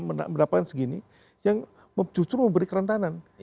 tapi mereka mendapatkan segini yang justru memberi kerentanan